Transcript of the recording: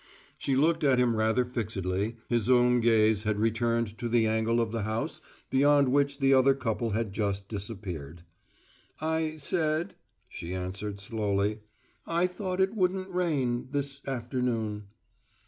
She looked at him rather fixedly; his own gaze had returned to the angle of the house beyond which the other couple had just disappeared. "I said," she answered, slowly, "I thought it wouldn't rain this, afternoon."